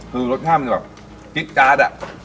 คือรสชาติมันจะว่ากกิ๊กการ์ดอ่ะ